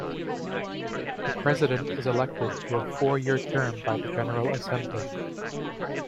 The President is elected to a four-year term by the General Assembly.